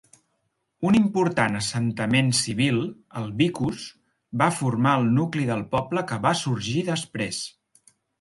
Un important assentament civil, el "vicus", va formar el nucli del poble que va sorgir després.